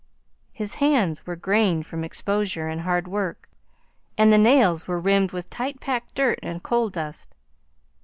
His hands were grained from exposure and hard work, and the nails were rimmed with tight packed dirt and coal dust.